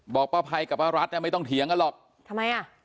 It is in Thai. บอกพ่อพัยกับพ่อรัชไม่ต้องเถียงกันหรอกทำไมอ่ะ